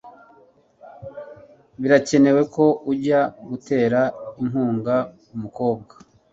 birakenewe ko ujya gutera inkunga umukobwa